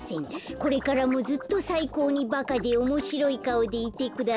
これからもずっとさいこうにバカでおもしろいかおでいてください」っと。